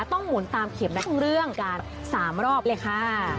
ต้องหมุนตามเข็มในเรื่องการ๓รอบเลยค่ะ